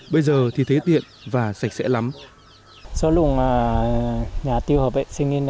bây giờ tôi không có nhà vệ sinh